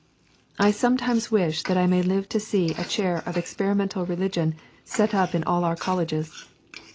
I sometimes wish that I may live to see a chair of Experimental Religion set up in all our colleges.